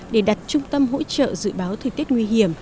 để đặt trung tâm hỗ trợ dự báo thời tiết nguy hiểm